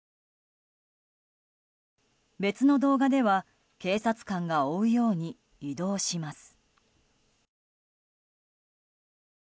別の動画では警察官が追うように移動します。